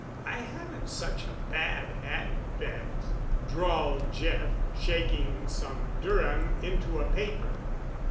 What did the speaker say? "I haven't such a bad hand, Bent," drawled Jeff, shaking some Durham into a paper.